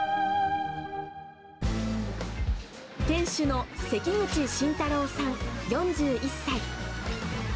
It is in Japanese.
店主の関口信太郎さん４１歳。